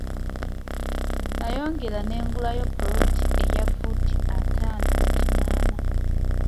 Nayongera nengulayo ppoloti eya ffuuti ataano ku kinaana.